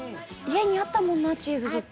家にあったもんなチーズずっと。